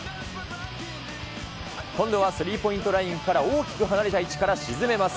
今度はスリーポイントラインから、大きく離れた位置から沈めます。